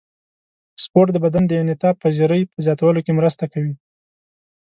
سپورت د بدن د انعطاف پذیرۍ په زیاتولو کې مرسته کوي.